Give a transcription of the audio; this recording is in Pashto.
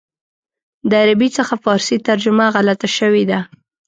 د عربي څخه فارسي ترجمه غلطه شوې ده.